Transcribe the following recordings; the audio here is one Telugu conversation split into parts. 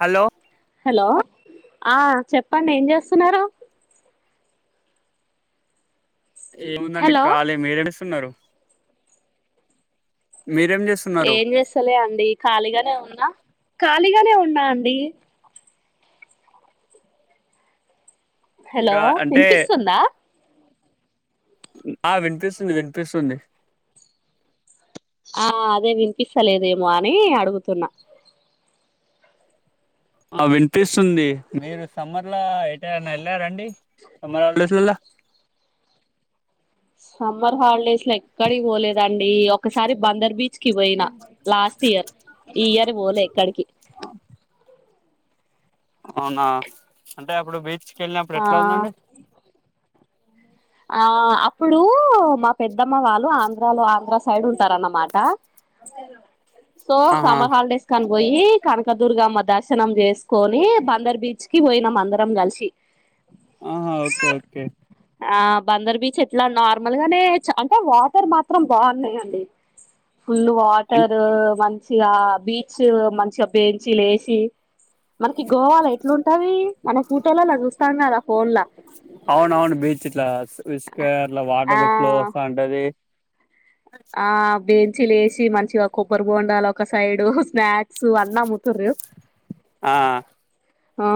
హలో హలో ఆ చెప్పండి ఏం చేస్తున్నారు ఏముందండి హలో ఖాళీ మీరెలుస్తున్నారు చేస్తున్నారు ఏం చేస్తలే అండి ఖాళీగానే ఉన్నా ఖాళీగానే ఉన్నా అండి హలో ఇంకా అంటే వినిపిస్తుందా ఆ వినిపిస్తుంది వినిపిస్తుంది ఆ అదే వినిపిస్తలేదేమో అని అడుగుతున్నా ఆ వినిపిస్తుంది మీరు సమ్మర్ ల ఎటైనా వెళ్ళారా అండి సమ్మర్ హాలిడేస్ లల్లా సమ్మర్ హాలిడేస్ లో ఎక్కడికి పోలేదండి ఒకసారి బందర్ బీచ్కి పోయినా లాస్ట్ ఇయర్ ఈ ఇయర్ పోలే ఎక్కడకి అవునా అంటే అప్పుడు బీచ్కి వెళ్ళినప్పుడు ఆ ఎట్లా ఉందండి ఆ అప్పుడు మా పెద్దమ్మ వాళ్ళు ఆంధ్రాలో ఆంధ్ర సైడ్ ఉంటారన్నమాట సో ఆహా సమర్ హాలిడేస్ కని పోయి కనకదుర్గమ్మ దర్శనం చేసుకొని బందర్ బీచ్ కి పోయినాం అందరం కలిసి ఆహా ఓకే ఓకే ఆ బందర్ బీచ్ ఎట్లా నార్మల్ గానే అంటే వాటర్ మాత్రం బాగున్నాయండి ఫుల్ వాటర్ మంచిగా బీచ్ మంచిగా బెంచీలు ఈసీ మనకి గోవాలో ఎట్లుంటది మన ఫూటోలల్లా చూస్తాం కదా ఫోన్లా ఇట్లాస్క అట్లా ఆ వాటర్ ఫ్లో వస్తా ఉంటది ఆ బే మంచి లేసి మంచిగా కొబ్బరి బొండలు ఒక సైడు స్నాక్స్ అన్న అమ్ముతారు ఆ ఆ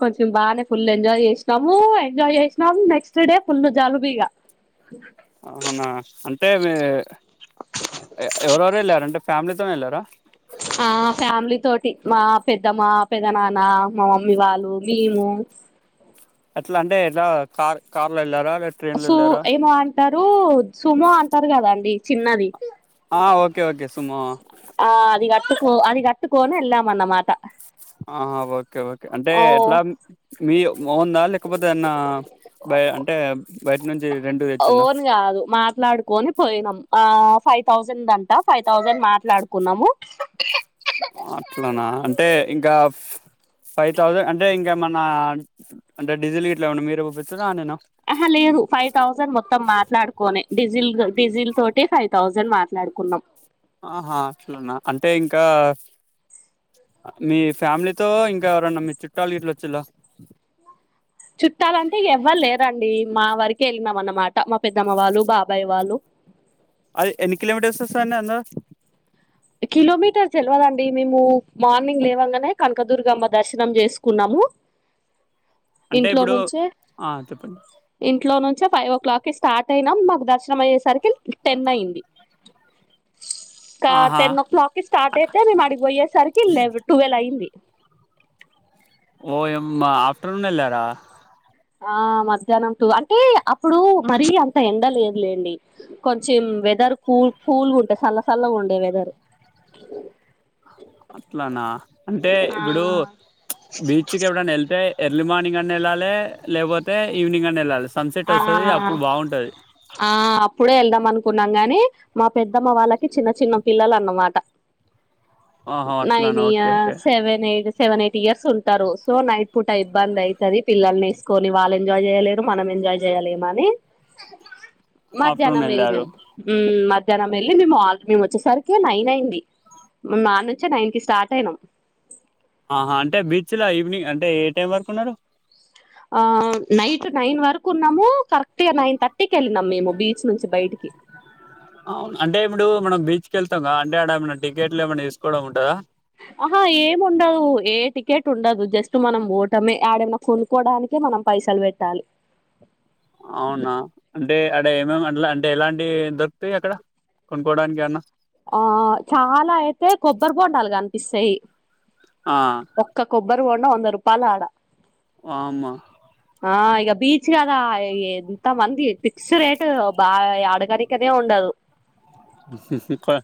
కొంచెం బాగానే ఫుల్ ఎంజాయ్ చేసినాము ఎంజాయ్ చేసినాము నెక్స్ట్ డే ఫుల్ జలుబీగా అ అవునా అంటే మీ ఎవరెవరేళ్ళార్ అంటే ఫ్యామిలీతోనేళ్ళారా ఆ ఫ్యామిలీ తోటి మా పెద్దమ్మ పెద్ద నాన్న మా మమ్మీ వాళ్ళు మేము అట్లా అంటే ఎట్లా కార్ కార్లో వెళ్లారా సు ఏమో అంటారు సుమొ అంటారు కదాండి చిన్నది ఆ ఓకే ఓకే సుమొ ట్టుకో అది కట్టుకోనేల్లమన్నమాట ఆ ఓకే ఓకే అంటే ఎట్లా మీ వన్ ద లేకపోతే ఏదన్న బై అంటే బయట నుంచి రెంట్ కి తెచ్చిందా ఓన్ కాదు మాట్లాడుకొని పోయినం ఆ ఫైవ్ థౌజండ్ అంట ఫైవ్ థౌజండ్ మాట్లాడుకున్నాము అట్లానా అంటే ఇంకా ఫైవ్ థౌజండ్ అంటే ఇం కేమన్నా అంటే డీజిల్ గిట్లా ఏమన్న మీరుే పోపిించార ఆయనేనా ఆహా లేదు ఫైవ్ థౌజండ్ మొత్తం మాట్లాడుకోనే డీజిల్ డీజిల్ తోటే ఫైవ్ థౌజండ్ మాట్లాడుకున్నాం ఆహా అట్లునా అంటే ఇంకా మీ ఫ్యామిలీతో ఇంక ఎవరన్నా మీ చుట్టాలు గిట్ల వచ్చిళ్ల చుట్టాలంటే ఇగ ఎవ్వలేర్ రండి మా వరకేళ్ళినాం అన్నమాట మా పెద్దమ్మ వాళ్ళు బాబాయ్ వాళ్ళు అది ఎన్ని కిలోమీటర్స్ వస్తది అండి అందద కిలోమీటర్స్ తెలువదండి మేము మార్నింగ్ లేవంగానే కనకదుర్గ అమ్మ దర్శనం చేసుకున్నాము అంటే ఇంట్లో ఇప్పుడు నుంచే ఆ చెప్పండి ఇంట్లో నుం చే ఫైవ్ ఓ క్లాక్కిి స్టార్ట్ అయినాం మాకు దర్శనం అయ్యేసరికి టెన్ అయింది కార్ ఆహా టెన్ ఓ క్లాక్ కి స్టార్ట్ అయితే మేము అడిగిపోయేసరికి లె ట్వెల్వ్ అయింది ఓయమ్మ ఆఫటర్ర్నూన్ ఎళ్ళర ఆ మధ్యాహ్నం టూ అంటే అప్పుడు మరీ అంత ఎండ లేదులేండి కొంచెం వెదర్ కూల్ కూల్గా ఉంటా చల్లసల్లగా ఉండే వెదర్ అట్లానా అంటే ఇప్పుడు ఆ బీచ్కి ఎప్పుడైనా వెళ్తే ఎర్లీ మార్నింగ్ అన్ని వెళ్ళాలి లేకపోతే ఈవిెనింగ్ అన్న వెళ్ళాలే స్ ఆ ఆ అప్పుడే ఎల్దం అనుకున్నాం కని మా పెద్దమ్మ వాళ్ళకి చిన్న చిన్న పిల్లలన్నమాట ఆహా నైన్ అట్లానా ఇయ okay okay seven eight seven eight years ఉంటారు సో నైన్ పూట ఇబ్బంది అయితది పిల్లల్ని వేసుకొని వాళ్లు ఎంజాయ్ చేయలేరు మనం ఎన్ ఎంజాయ్ చేయలేమాని ఆఫ్టర్నూన్ మధ్యాహ్నం వెళ్ళారు వెళ్లినం మ్ మద్ ధ్యనాం వెళ్ళి మేము ఆీ మేము వచ్చేసరికి నైన్ అయింది మీము అనుంచే నైన్ కి స్టార్ట్ అయినాం ఆహా అంటే బీచ్ ల ఈవినింగ్ అంటే ఏ టైం వరకు ఉన్నారు ఆ నైట్ నైన్ వరకు ఉన్నాము కరెక్ట్ ఇగా నైన్ థర్టీకి వెళ్ళినాం మేము బీ చ్ నుంచి బయటికి అవును అంటే ఎప్పుడు మనం బీచ్ కెల్తాంగ అంటే ఆడెమ ఆహా ఏం ఉండదు ఏ టికెట్ ఉండదు జస్ట్ మనం పోటమే ఆడేమనా కొనుక్కోవడానికే మనం పైసలు పెట్టాలి అవునా అంటే అడ ఏమేమి అలా అంటే ఎలాం టి దొరుకుతాయ్ అక్కడ కొనుక్కోవడానికి అన్నా ఆ చాలా అయితే కొబ్బరి బొండలు కనిపిస్తాయి ఆ ఒక్క కొబ్బరి బొండం వంద రూపాయలు ఆడ వమ్మ ఆ ఇక బీచ్ కదా కొంత మంది ఫిక్స్ రేటు బాగా ఆడగానికనే ఉండదు హ్మ్ హ్మ్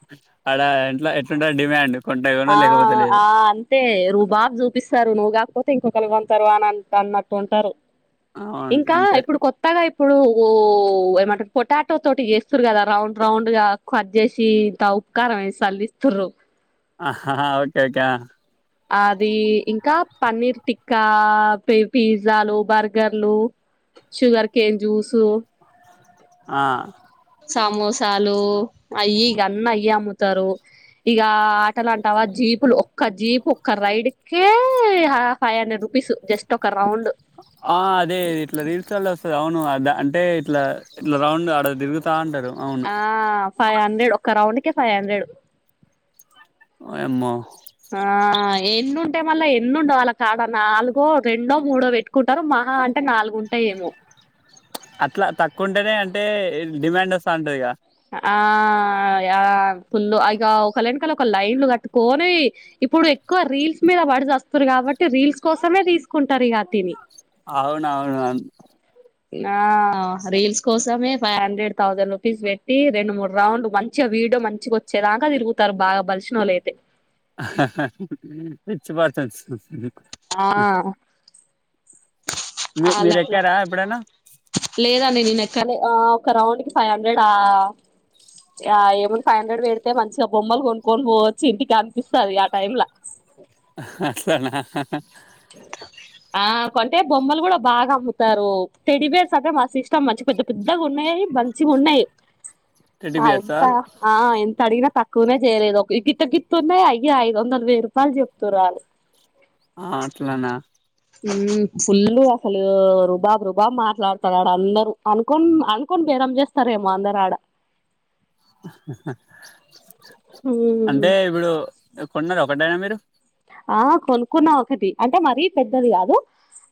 అడ ఇంట్లో ఎట్లుంట డిమాండ్ కొంటకొను ఆ లేకపోతే లేదు ఆ అంతే రుబాబ్ చూపిస్తారు నువ్వు కాకపోతే ఇంకొకలింటారు అని అన్నట్టు ఉంటారు అవును ఇంకా అంతే ఇప్పుడు కొత్తగా ఇప్పుడు ఏమంటారు పొటాటో తోటి చేస్తురు కదా రౌండ్ రౌండ్ గా కట్ చేసి చీ ఇంత ఉప్పుకారం ఏసీ సళ్ళిస్తూరు ఆ హా ఓకే ఓకే ఆ అది ఇంకా పన్నీర్ టిక్క పి పిజ్జాలు బర్గర్లు షుగర్ కేెన్ జ్యూసు ఆ సమోసాలు అయ్యి ఇగ అన్ని అయ్యే అమ్ముతారు ఇగ ఎట్టలాంటావా జీప్లు ఒక్క జీప్ ఒక్క రైడ్ హై half five hundred rupees just ఒక రౌండ్ ఆ అదే ఇట్లా రీల్స్ వాల్ళ వస్తారు అవును అంటే ఇట్లా ఇట్లా రౌండ్ అడ తిరుగుతా అంటారు ఆ ఫైవ్ హండ్రెడ్ ఒక రౌండ్ కే ఫైవ్ హండ్రెడ్ వయమ్మో ఆ ఎన్ని ఉంటాయి మళ్ళా ఎన్నుండవు వాళ్ళ కాడ నాలుగో రెండో మూడో పెట్టుకుంటారు మహా అంటే నాలుగు ఉంటయేమో అట్లా తక్కువుంటేనే అంటే డిమాండ్ వస్తాధ్నతంటిదిగా ఆ యా ఫుల్ ఇగ ఒక వెనకాల లైన్లు కట్టుకొని ఇప్పుడు ఇక ఎక్కువ రీల్స్ మీద పడి చస్తూరు కాబట్టి రీల్స్ కోసమే తీసుకుంటారు ఇకటిని అవునవును ఆ రీల్స్ కోసమే ఫైవ్ హండ్రెడ్ థౌజండ్ రూపీస్ పెట్ రెండు మూడు రౌండ్లు మంచిగా వీడో మంచిగా వచ్చేదాకా తిరుగుతారు బాగా బలిసినోళ్ళ అయితే పిచ్చి పర్సన్స్ ఆ మీ అలా అట్లా మీరెక్కారా ఎప్పుడైనా? లేదండి నేను కానీ ఆ ఒక రౌండ్ కి ఫైవ్ హండ్రెడ్ ఆ యా ఏమైనా ఫైవ్ హండ్రెడ్ పెడితే మంచిగా బొమ్మలు కొనుకొని పోవచ్చు ఇంటికి అనిపిస్తది ఆ టైమ్ ల హా అట్లానా హా హా చ ఆ కొంటే బొమ్మలు కూడా బాగా అమ్ముతారు టెడ్డిబేర్స్ అంటే మస్తు ఇష్టం మంచి పెద్ద పెద్దగా ఉన్నాయి అయి మంచి గా ఉన్నాయి టెడ్డీ అ బియర్సా? ఎంత ఆ ఎంత అడిగిన తక్కువనే చేయలేదు ఒక గిట్ట గిన్ త ఉన్నాయి అయ్యా ఐదు వందలు వెయ్యి రూపాయలు చెప్తున్నాఆళ్ళు ఆ అట్లానా మ్ ఫుల్లు అసలు రుబాబ్ రుబాబ్ మాట్లాడుతారు ఆడ అందరు అనుకోని అనుకోని చె కం చేస్తారేమో అందరాడ హా హా అంటే మ్మ్ ఇప్పుడు ఎ కొన్నారా ఒకటైనా మీరు ఆ కొనుక్కున్నా ఒకటి అంటే మరీ పెద్దది కాదు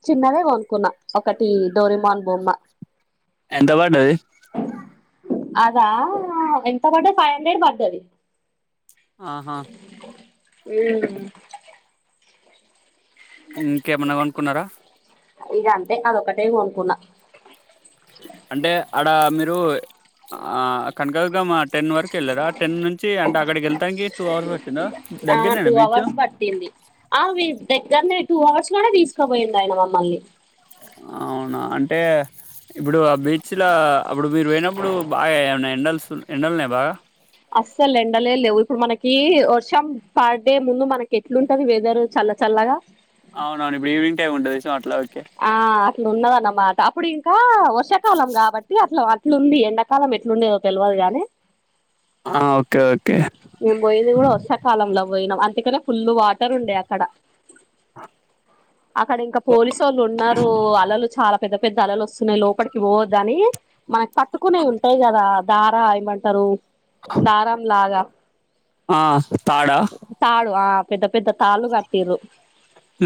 చిన్నదే కొనుక్కున్నా ఒకటి డోరేమోన్ బొమ్మ ఎంత పడ్డది అదా ఎంత పడ్డది ఫైవ్ హండ్రెడ్ పడ్డది ఆహా ఉ మ్ కున్నారా ఇగ అంతే అదొక్కటే కొనుకున్నా అంటే అడ మీరు ఆ కనకదుర్గామ్మ టెన్ వరకు ఎళ్ళరా టెన్ నుంచి అంటే అక్కడికి ఎళ్తానికి టూ అవర్స్ పట్టిందా దగ్గరనేనా బీచ్ టింది ఆ దగ్గరనే టూ అవర్స్ లోనె తీసుకొపోయిండు ఆయన మమ్మల్ని అవునా అంటే ఇప్పుడు ఆ బీచ్‌ల అప్పుడు మీరు పోయినప్పుడు బాగా ఏమైనా ఎండల్స్ ఎండలునయా బాగా అస్సల్ ఎండలే లేవు ఇప్పుడు మనకి వర్షం పడే ముందు మనకి ఎట్లుంటది వెదర్ చాల చల్లగా అవునవును ఇప్పుడు ఈవినింగ్ టైం ఉంటది సో అట్లా ఓకే ఆ అట్లున్నది అన్నమాట అప్పుడు ఇంకా వర్షాకాలం కాబట్టి అట్లా అ ట్లుంది ఎండాకాలం ఎట్లుండేదో తెలువదు గాని ఆ ఓకే ఓకే మేం పోయింది కూడా వర్షాకాలంలో పోయినం అ ఇక్కడ ఫుల్ వాటర్ ఉండే అక్కడ అక్కడ ఇంకా పోలీస్ ఉన్నారు అలలు చాలా పెద్ద పెద్ద అలలు వస్తున్నాయి లోపలికి పోవొద్దని మనకి పట్టుకునేయి ఉంటాయి కదా దార ఏమంటారు దారం లాగా ఆ తాడా తాడు ఆ పెద్ద పెద్ద తాళ్లు కట్టిర్రు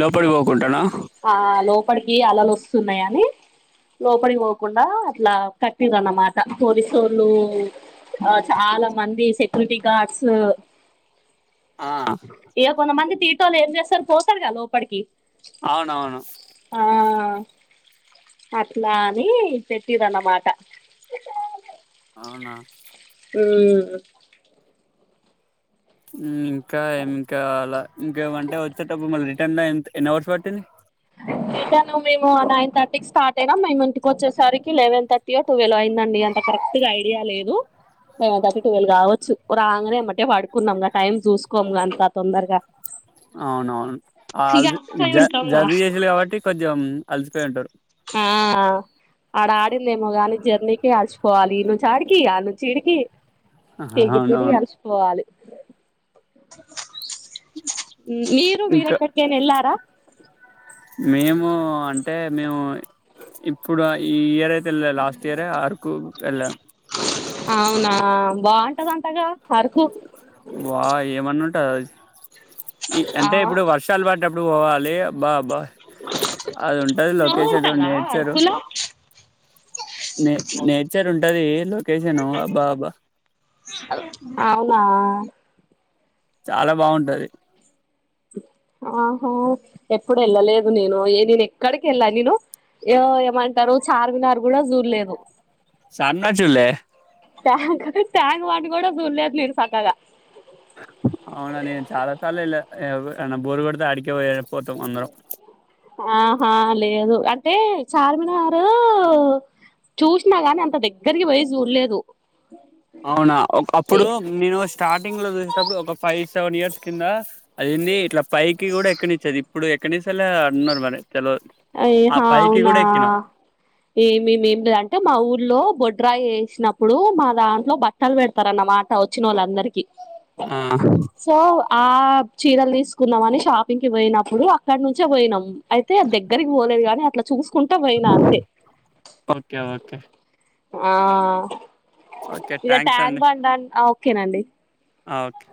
లోపలికి పోకుంటనా లోపడికి అలలు వస్తున్నాయని లోపడికి పోకుండా అట్లా కట్టిర్రు అన్నమాట పొలిసోళ్ళు ఆ చాలా మంది సెక్యూరిటీ గార్డ్స్ ఆ ఏ కొంత మంది తీటోలూ ఏం చేస్తారు పోతారుగా లోపడికి అవునవును అట్లా అని పెట్టిర్రన్నమాట అవునా ఉమ్మ్మ్ ఉమ్మ్ ఇంకా ఇంకా అలా ఇంకేమంటే వచేటప్పుడు మళ్ళీ రిటర్న్ టైం ఎన్ని అవర్స్ పట్టింది తను మేము నైన్ తర్టీ కి స్టార్ అయినాం మేము ఇంటికి వచ్చే సరికి లెవన్ తర్టీయే టువల్వో అయిందండి అంత కరెక్ట్ గా ఐడియా లేదు లెవెన్ థర్టీ ట్వెల్వ్ కావచ్చు రాంగానే ఎమ్మటే పడుకున్నాం గా టైమ్ చూసుకోము గంతా తొందరగా అవునవును ఇగ అల్‌ది అలసిపోయి జ ఉంటాంగా జర్నీ చేసిళ్ళు కాబట్టి కొంచెం అలసిపోయింటారు ఆ ఆడ ఆడిందేమో గాని జర్నీకి అలస్ పోవాలి ఈడి నుంచి ఆడికి ఆడి నుంచి ఈడికి తిరిగి తిరిగి అవునవును అలసిపోవాలి మీరు ఇంకా మీరేక్కడికైనా ఎల్లారా మేము అంటే మేము ఇప్పుడు ఈ ఇయర్ అయి తే ఎళ్ళా లాస్ట్ ఇయరే అరకు ఎళ్ళా అవునా బాగుంటదంటగా అరకు టది ఈ అంటే అవును ఇప్పుడు వర్షాలు పడ్డప్పుడు పోవాలి అబ్బా అబ్బా అది ఉంటది స్నో లొకేషన్ ఉంటదా నేచర్ అరకులో నే నేచర్ ఉంటది లొకేషను అబ్బా అబ్బా అవునా చాలా బాగుంటది ఆహా ఎప్పుడు ఎళ్ళలేదు నేను ఏ నేను ఎక్కడికి ఎళ్ళా నేను ఎ ఏమంటారు చార్మినార్ కూడా చూడ్లేదు సర్మినార్ చూల్లే ట్యాంక్ ట్యాంక్ బండ్ గూడ సూడ్లేదు నేను సక్కగా అవునా నేను చాలా సార్లు ఎళ్ళా ఏమైనా బోరు కోడితే ఆడికే పోయే పోతాం అందరం ఆహా లేదు అంటే చార్మినారూ చూసినా గానీ అంత దగ్గరికి పోయి చూడలేదు అవునా ఒక అప్పుడు నేను స్టార్టింగ్ లో చూసేటప్పుడు ఒక ఫైవ్ సెవెన్ ఇయర్స్ కింద అదేంది ఇట్లా పైకి కూడా ఎక్కనిచ్చేది ఇప్పుడు ఎక్కనిస్తాలా అంటున్నారు మరి తెలవదు ఆ ఇహా పైకి అవునా కూడా ఎక్కిన ఏమే ఏమి అంటే మా ఊర్లో బొడ్ రాయి ఏసినప్పుడు మా దాంట్లో బట్టలు పెడతారున్నమాట వచ్చినోళ్ళందరికీ ఆ ఆ చీరలు తీసుకున్నాం అని షాపింగ్ కి పోయినప్పుడు అక్కడ నుంచే పోయినాం అయితే దగ్గ రికి పోలేదు గాని అట్లా చూసుకుంటా పోయినా అంతే ఓకే ఓకే ఆ ఓకే ఇక థ్యాంక్స్ ట్యాంక్ అండి బండ్ ఓకేనండి ఆ ఓకే